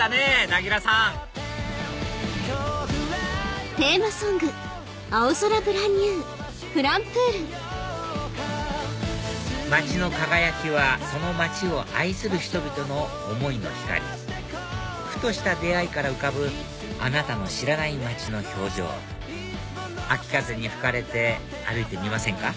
なぎらさん街の輝きはその街を愛する人々の思いの光ふとした出会いから浮かぶあなたの知らない街の表情秋風に吹かれて歩いてみませんか？